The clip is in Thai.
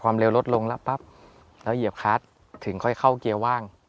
เร็วลดลงแล้วปั๊บแล้วเหยียบคัดถึงค่อยเข้าเกียร์ว่าง